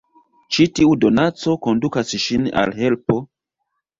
Ĉi tiu donaco kondukas ŝin al helpo...